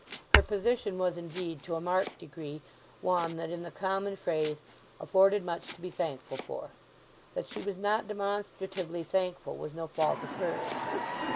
Her position was, indeed, to a marked degree one that, in the common phrase, afforded much to be thankful for. That she was not demonstratively thankful was no fault of hers.